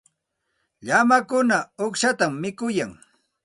Llamakuna uqshatam mikuyan.